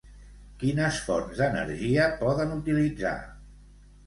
Quines fonts d'energia poden utilitzar?